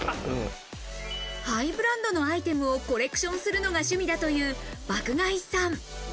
ハイブランドのアイテムをコレクションするのが趣味だという爆買いさん。